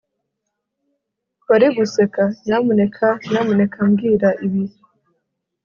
wari guseka? nyamuneka, nyamuneka mbwira ibi